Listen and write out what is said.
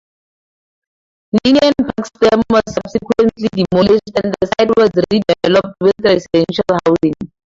Ninian Park stadium was subsequently demolished and the site was redeveloped with residential housing.